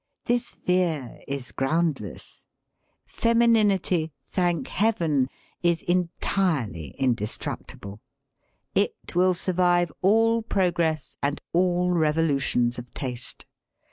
This fear is groundless. Femininity — ^thank heaven! — ^is entirely indestructible. It will survive all progress and all revolutions of taste.